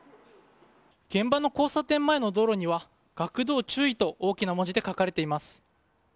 現場の交差点前の道路には学童注意と大きな文字で書かれています。